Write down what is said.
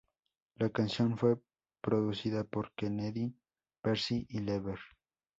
La canción fue producida por Kennedy, Percy y Lever.